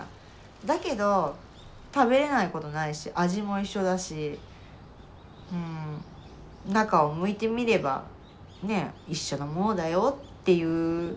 だけど食べれないことないし味も一緒だしうん中をむいてみればねえ一緒のものだよっていう。